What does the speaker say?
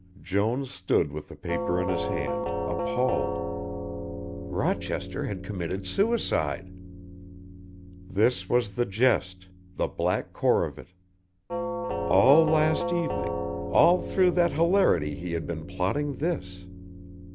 Jones stood with the paper in his hand, appalled. Rochester had committed suicide! This was the Jest the black core of it. All last evening, all through that hilarity he had been plotting this.